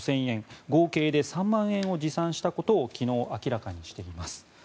合計で３万円を持参したことを昨日明らかにしています。